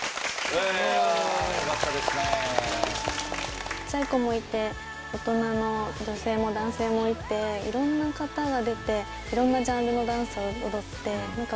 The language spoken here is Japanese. ちっちゃい子もいて大人の女性も男性もいていろんな方が出ていろんなジャンルのダンスを踊って。